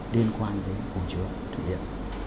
liên quan đến hồ chứa thủy điện